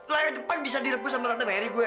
layar depan bisa direbus sama tante merry gue